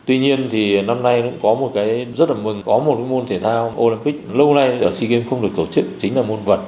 tuy nhiên thì năm nay cũng có một cái rất là mừng có một môn thể thao olympic lâu nay ở sea games không được tổ chức chính là môn vật